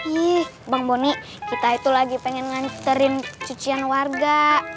ih bang boni kita itu lagi pengen nganterin cucian warga